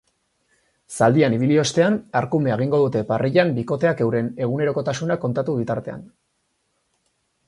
Zaldian ibili ostean, arkumea egingo dute parrillan bikoteak euren egunerokotasuna kontatu bitartean.